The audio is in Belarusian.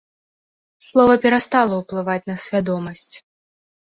Слова перастала ўплываць на свядомасць.